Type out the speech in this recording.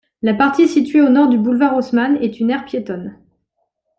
La partie située au nord du boulevard Haussmann est une aire piétonne.